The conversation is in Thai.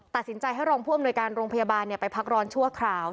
ตัดสินใจให้รองผู้อำนวยการโรงพยาบาลไปพักร้อนชั่วคราว